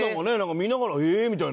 見ながら「えーっ！」みたいな。